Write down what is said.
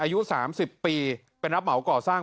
อายุ๓๐ปีเป็นรับเหมาก่อสร้าง